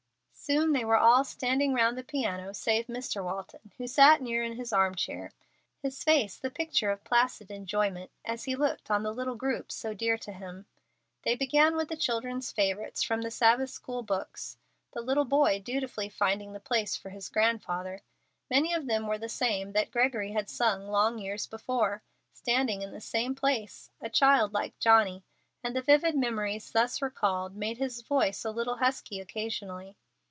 Soon they were all standing round the piano, save Mr. Walton, who sat near in his arm chair, his face the picture of placid enjoyment as he looked on the little group so dear to him. They began with the children's favorites from the Sabbath school books, the little boy dutifully finding the place for his grandfather. Many of them were the same that Gregory had sung long years before, standing in the same place, a child like Johnny, and the vivid memories thus recalled made his voice a little husky occasionally.